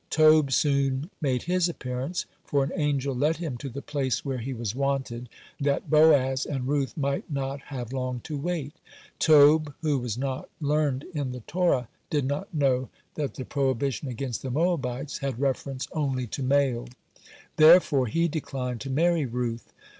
Tob soon made his appearance, for an angel led him to the place where he was wanted, (63) that Boaz and Ruth might not have long to wait. Tob, who was not learned in the Torah, did not know that the prohibition against the Moabites had reference only to males. Therefore, he declined to marry Ruth.